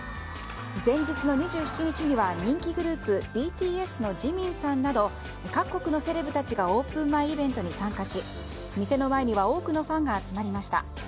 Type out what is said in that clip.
前日の２７日には人気グループＢＴＳのジミンさんなど各国のセレブたちがオープン前イベントに参加し店の前には多くのファンが集まりました。